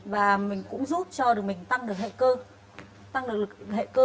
và mình cũng giúp cho mình tăng được hệ cơ